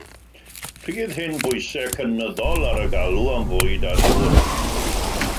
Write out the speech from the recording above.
Rhydd hyn bwysau cynyddol ar y galw am fwyd a dŵr.